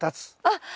あっ！